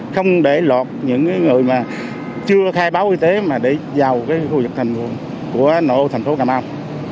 không để lọt những người chưa khai báo y tế mà để vào khu vực thành phố cà mau